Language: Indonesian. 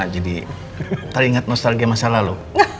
jadi entar ingat nostalgia masa lalu